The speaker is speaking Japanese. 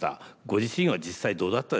ご自身は実際どうだったですか？